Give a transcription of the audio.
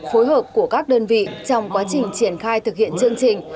phối hợp của các đơn vị trong quá trình triển khai thực hiện chương trình